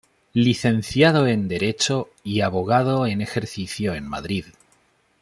Licenciado en Derecho y Abogado en ejercicio en Madrid.